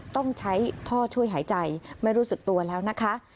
ต้องใช้ท่อช่วยหายใจไม่รู้สึกตัวแล้วนะคะ